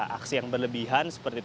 tidak ada aksi yang berlebihan